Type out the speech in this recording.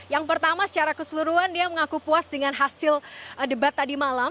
yang pertama secara keseluruhan dia mengaku puas dengan hasil debat tadi malam